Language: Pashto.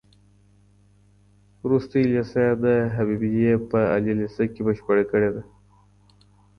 وروستۍ ليسه يې د حبيبيې په عالي ليسه کې بشپړه کړې ده.